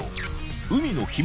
海の秘密